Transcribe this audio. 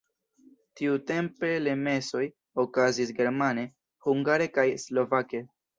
Tiutempe le mesoj okazis germane, hungare kaj slovake.